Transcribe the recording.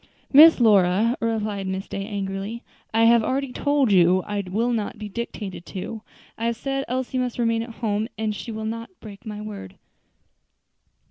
"Miss Lora," replied Miss Day, angrily, "I have already told you I was not to be dictated to. I have said Elsie must remain at home, and I shall not break my word."